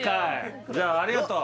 じゃあありがとう